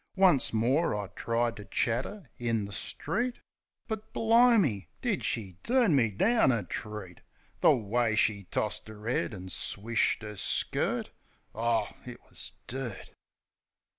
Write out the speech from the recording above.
Once more I tried ter chat 'er in the street. But, bli'me! Did she turn me down a treat! The way she tossed 'er 'ead an' swished 'er skirt! Oh, it wus dirt!